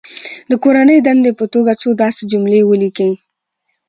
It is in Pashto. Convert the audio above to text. د کورنۍ دندې په توګه څو داسې جملې ولیکي.